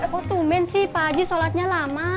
kok tumben sih pak haji sholatnya lama